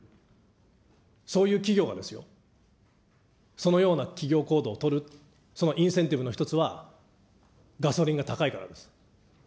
そういう企業がですよ、そのような企業行動を取る、そのインセンティブの一つは、ガソリンが高いからです。